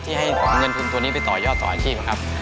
ที่ให้เงินทุนตัวนี้ไปต่อยอดต่ออาชีพครับ